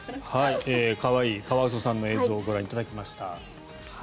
可愛いカワウソの映像をご覧いただきました。